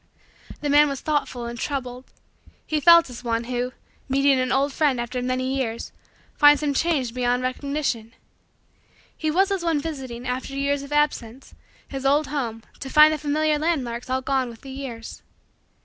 The man was thoughtful and troubled. He felt as one, who, meeting an old friend after many years, finds him changed beyond recognition. He was as one visiting, after years of absence, his old home to find the familiar landmarks all gone with the years.